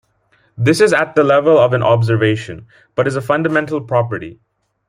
This is at the level of an observation, but is a fundamental property.